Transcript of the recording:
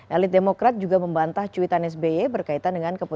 elit demokrat juga membantah cuitan sby berkaitan dengan keputusan